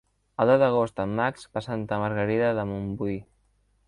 El deu d'agost en Max va a Santa Margarida de Montbui.